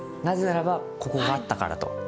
なぜならばここがあったからと。